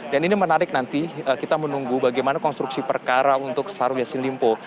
dan ini menarik nanti kita menunggu bagaimana konstruksi perkara untuk salihulansin limpo